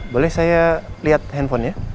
boleh saya lihat handphonenya